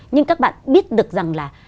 nhưng các bạn biết được rằng là